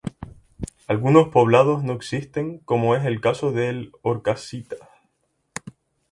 Algunos poblados no existen como es el caso del Orcasitas.